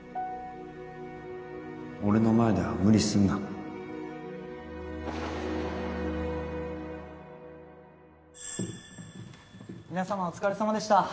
俺の前では無理すんな皆様お疲れさまでした。